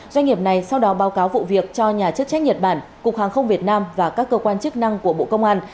doanh nghiệp này sau đó báo cáo vụ việc cho nhà chức trách nhật bản cục hàng không việt nam và các cơ quan chức năng của bộ công an